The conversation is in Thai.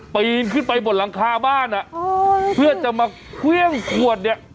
ปีนขึ้นไปบนหลังคาบ้านเพื่อจะมาเฟื่องขวดเนี่ย